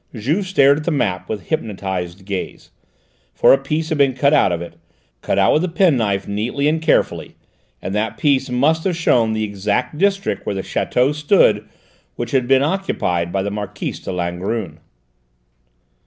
Juve stared at the map with hypnotised gaze; for a piece had been cut out of it, cut out with a penknife neatly and carefully, and that piece must have shown the exact district where the château stood which had been occupied by the Marquise de Langrune.